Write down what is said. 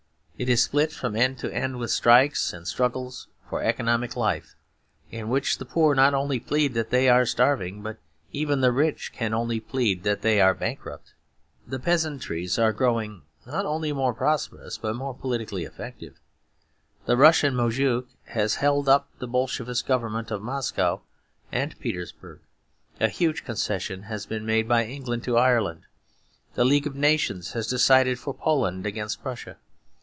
It is split from end to end with strikes and struggles for economic life, in which the poor not only plead that they are starving, but even the rich can only plead that they are bankrupt. The peasantries are growing not only more prosperous but more politically effective; the Russian moujik has held up the Bolshevist Government of Moscow and Petersburg; a huge concession has been made by England to Ireland; the League of Nations has decided for Poland against Prussia.